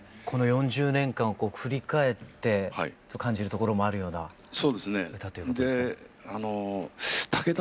この４０年間を振り返って感じるところもあるような歌ということですか？